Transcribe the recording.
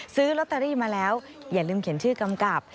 ซื้อลอตเตอรี่มาแล้วอย่าลืมเขียนชื่อกำกับ